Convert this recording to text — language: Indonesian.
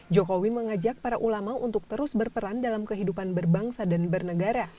jokowi mengajak para ulama untuk terus berperan dalam kehidupan berbangsa dan bernegara